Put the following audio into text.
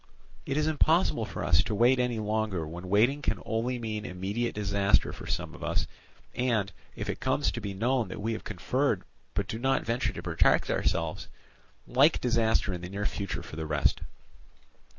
It is impossible for us to wait any longer when waiting can only mean immediate disaster for some of us, and, if it comes to be known that we have conferred but do not venture to protect ourselves, like disaster in the near future for the rest.